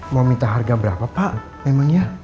mau minta harga berapa pak emangnya